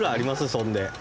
そんで。